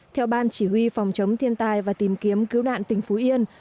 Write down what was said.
theo ban chỉ huy phòng chống thiên tai và tìm kiếm cứu nạn tỉnh phú yên